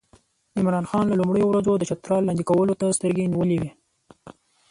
عمرا خان له لومړیو ورځو د چترال لاندې کولو ته سترګې نیولې وې.